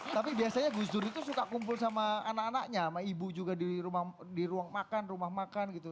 tapi biasanya gus dur itu suka kumpul sama anak anaknya sama ibu juga di ruang makan rumah makan gitu